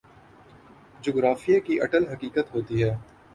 جغرافیے کی اٹل حقیقت ہوتی ہے۔